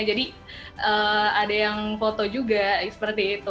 jadi ada yang foto juga seperti itu